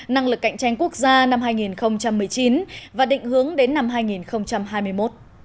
năng lực cạnh tranh quốc gia năm hai nghìn một mươi chín và định hướng đến năm hai nghìn hai mươi một